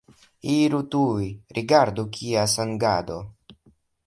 Iru tuj, rigardu, kia sangado!